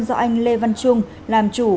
do anh lê văn trung làm chủ